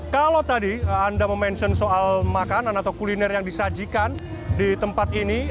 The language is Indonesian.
kalau tadi anda memention soal makanan atau kuliner yang disajikan di tempat ini